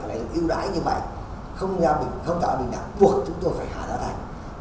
lưu đãi như vậy không tạo bình đẳng cuộc chúng tôi phải hạ ra thành